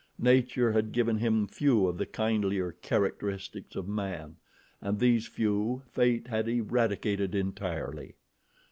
Nature had given him few of the kindlier characteristics of man, and these few Fate had eradicated entirely.